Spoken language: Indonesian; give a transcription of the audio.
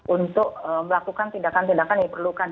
untuk melakukan tindakan tindakan yang diperlukan